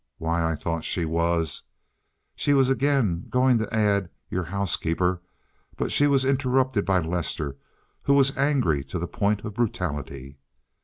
Why, I thought she was—" she was again going to add "your housekeeper," but she was interrupted by Lester, who was angry to the point of brutality.